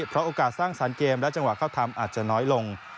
เพราะโอกาสสร้างสรรค์เกมและจังหวะเข้าทำอาจจะน้อยลง